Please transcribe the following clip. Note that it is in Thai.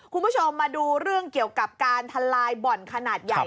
คุณผู้ชมมาดูเรื่องเกี่ยวกับการทลายบ่อนขนาดใหญ่